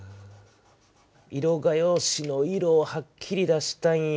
色画用紙の色をはっきり出したいんや。